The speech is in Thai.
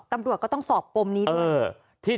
ตำรวจก็ต้องสอบปมนี้ด้วย